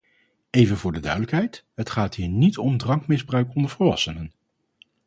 Even voor de duidelijkheid: het gaat hier niet om drankmisbruik onder volwassenen.